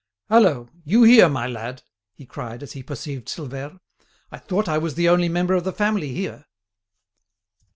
"Hallo! You here, my lad?" he cried, as he perceived Silvère. "I thought I was the only member of the family here."